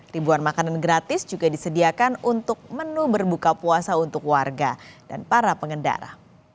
ribuan makanan gratis juga disediakan untuk menu berbuka puasa untuk warga dan para pengendara